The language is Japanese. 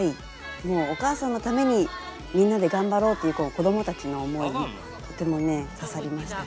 もうお母さんのためにみんなで頑張ろうっていう子どもたちの思いにとてもね刺さりましたね。